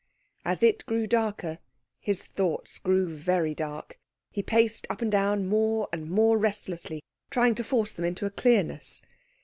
As it grew darker, his thoughts grew very dark. He paced up and down more and more restlessly, trying to force them into clearness.